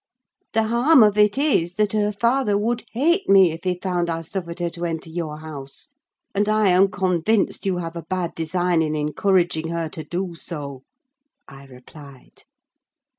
"The harm of it is, that her father would hate me if he found I suffered her to enter your house; and I am convinced you have a bad design in encouraging her to do so," I replied.